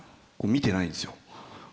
見てないんですよ。